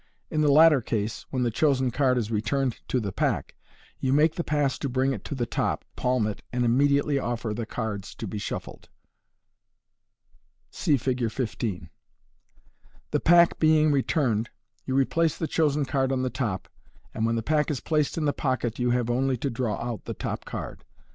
In the latter case, when the chosen card is returned to the pack, you make the pass to bring it to the top, palm it, and immediately offer the cards to be shuffled. (See Fig. 15.) The pack being returned, you replace the chosen card on the top, and when the pack is placed in the pocket you have only to draw out the top card.